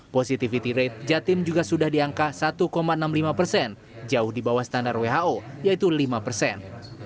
positivity rate jatim juga sudah di angka satu enam puluh lima persen jauh di bawah standar who yaitu lima persen